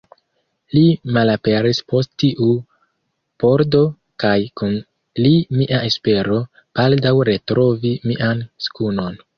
Li malaperis post tiu pordo kaj kun li mia espero, baldaŭ retrovi mian skunon.